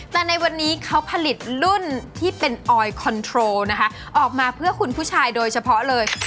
แต่ในวันนี้เขาผลิตรุ่นที่เป็นออยคอนโทรลนะคะออกมาเพื่อคุณผู้ชายโดยเฉพาะเลย